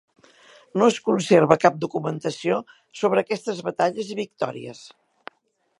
No es conserva cap documentació sobre aquestes batalles i victòries.